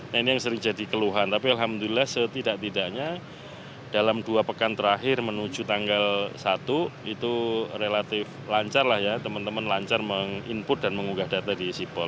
nah ini yang sering jadi keluhan tapi alhamdulillah setidak tidaknya dalam dua pekan terakhir menuju tanggal satu itu relatif lancar lah ya teman teman lancar meng input dan mengunggah data di sipol